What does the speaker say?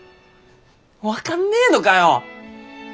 分かんねえのかよ。